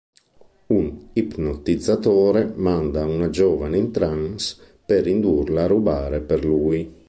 Un ipnotizzatore manda una giovane in trance per indurla a rubare per lui.